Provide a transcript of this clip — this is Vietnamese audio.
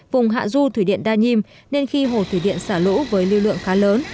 vùng hạ du thủy điện đa nhiêm nên khi hồ thủy điện xả lũ với lưu lượng khá lớn